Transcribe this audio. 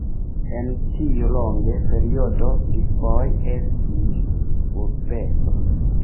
En tiu longe periodo li foje estis urbestro.